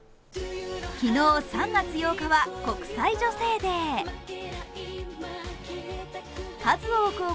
昨日、３月８日は国際女性デー。